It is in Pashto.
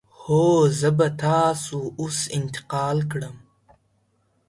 هو، زه به تاسو اوس انتقال کړم.